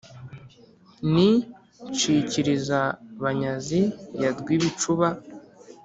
n'i ncikiriza-banyazi ya rwibicuba